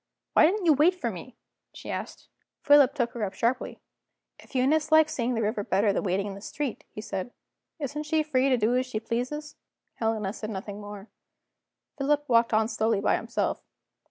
"Why didn't you wait for me?" she asked. Philip took her up sharply. "If Eunice likes seeing the river better than waiting in the street," he said, "isn't she free to do as she pleases?" Helena said nothing more; Philip walked on slowly by himself.